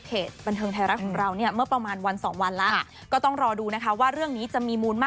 เพราะต้องรอดูว่าวันนี้แหละ